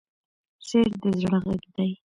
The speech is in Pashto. شعر د زړه غږ دی.